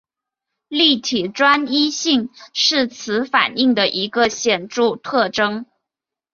立体专一性是此反应的一个显着特征。